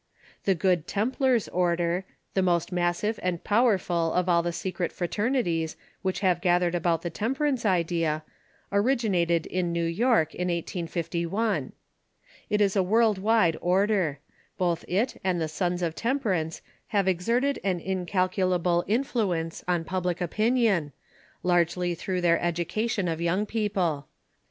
The Good Templars order, the most massive and power ful of all the secret fraternities which have gathered about the temperance idea, originated in New York in 1851. It is a world wide order ; both it and the Sons of Temperance have exerted an incalculable influence on ])ublic opinion, largely through their education of young people.